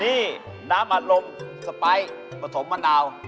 นี่น้ำอารมณ์สไปร์ผสมมะนาว